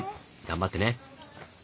頑張ってね！